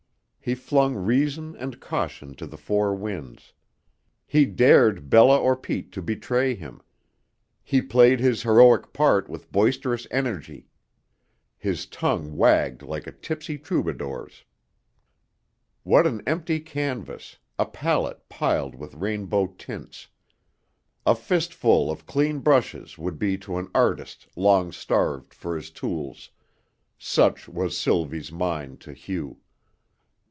He flung reason and caution to the four winds; he dared Bella or Pete to betray him, he played his heroic part with boisterous energy; his tongue wagged like a tipsy troubadour's. What an empty canvas, a palette piled with rainbow tints, a fistful of clean brushes would be to an artist long starved for his tools, such was Sylvie's mind to Hugh.